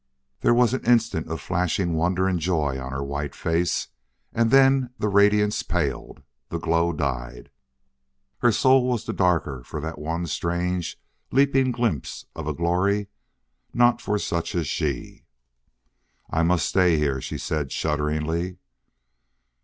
There was an instant of flashing wonder and joy on her white face, and then the radiance paled, the glow died. Her soul was the darker for that one strange, leaping glimpse of a glory not for such as she. "I must stay here," she said, shudderingly.